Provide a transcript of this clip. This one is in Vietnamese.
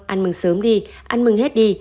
ăn mừng sớm đi ăn mừng hết đi